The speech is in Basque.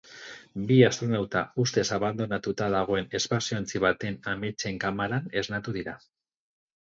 Bi astronauta ustez abandonatuta dagoen espaziontzi bateko ametsen kamaran esnatuko dira.